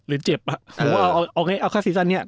หรือเจ็บเอาค่าซีสันนี้